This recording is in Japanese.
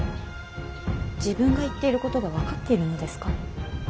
自分が言っていることが分かっているのですか。